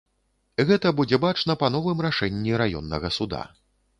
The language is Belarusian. Гэта будзе бачна па новым рашэнні раённага суда.